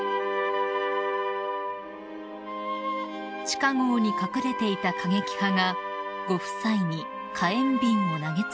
［地下壕に隠れていた過激派がご夫妻に火炎瓶を投げ付けたのです］